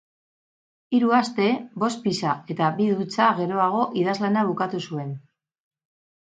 Hiru aste, bost pizza eta bi dutxa geroago idazlana bukatu zuen.